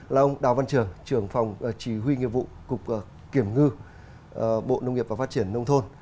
là ông đào văn trường trưởng phòng chỉ huy nghiệp vụ cục kiểm ngư bộ nông nghiệp và phát triển nông thôn